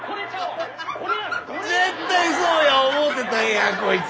絶対そうや思うてたんやこいつ。